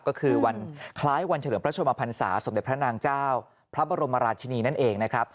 ก็คือวันคล้ายวันเฉลิมพระชมพันศาสมเด็จพระนางเจ้าพระบรมราชินีนั่นเองนะครับ